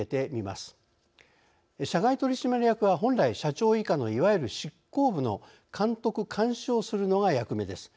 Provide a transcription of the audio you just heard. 社外取締役は本来社長以下のいわゆる執行部の監督・監視をするのが役目です。